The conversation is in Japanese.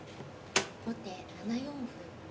後手７四歩。